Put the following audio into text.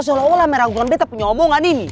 seolah olah meraguan betta punya omongan ini